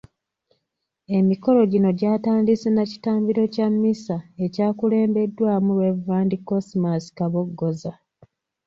Emikolo gino gyatandise na kitambiro kya mmisa ekyakulembeddwamu Rev.Cosmas Kaboggoza.